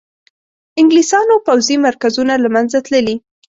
انګلیسیانو پوځي مرکزونه له منځه تللي.